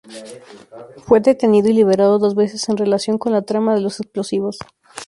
Fue detenido y liberado dos veces en relación con la trama de los explosivos.